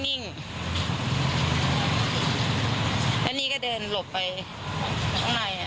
เพราะนี่ก็เดินหลบไปข้างใน